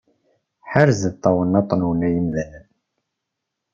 Ḥerzet tawennaṭ-nwen ay imdanen!